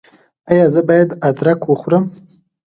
ایا زه باید ادرک وخورم؟